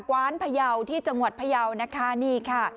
ว้านพยาวที่จังหวัดพยาวนะคะนี่ค่ะ